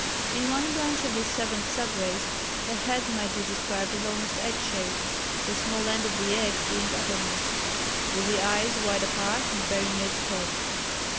In one branch of this seventh sub race, the head might be described as almost egg shaped the small end of the egg being uppermost, with the eyes wide apart and very near the top.